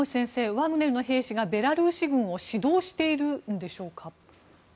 ワグネルの兵士がベラルーシ軍を指導しているんでしょうか。